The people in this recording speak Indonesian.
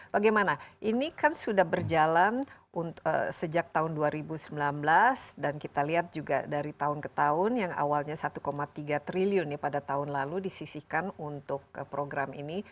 bagaimana ini kan sudah berjalan sejak tahun dua ribu sembilan belas dan kita lihat juga dari tahun ke tahun yang awalnya satu tiga triliun ya pada tahun lalu disisihkan untuk program ini